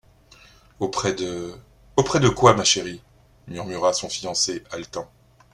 —«Auprès de … Auprès de quoi, ma chérie ?…» murmura son fiancé, haletant.